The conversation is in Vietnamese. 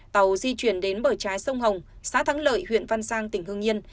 tàu di chuyển đến bờ trái sông hồng xá thắng lợi huyện văn giang tỉnh hưng yên